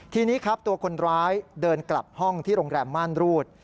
ทีนี้ครับตัวคนร้ายเดินกลับห้องที่โรงแรมม่านรูด